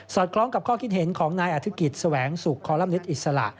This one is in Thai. คล้องกับข้อคิดเห็นของนายอธิกิจแสวงสุขคอลัมนิตอิสระ